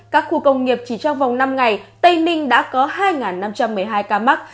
các khu công nghiệp chỉ trong vòng năm ngày tây ninh đã có hai năm trăm một mươi hai ca mắc